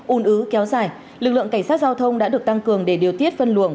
ùn ứ kéo dài lực lượng cảnh sát giao thông đã được tăng cường để điều tiết phân luận